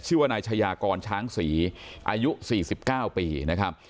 ชื่อวนายชายากรช้างศรีอายุสี่สิบเก้าปีนะครับ